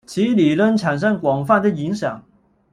此理论产生广泛的影响。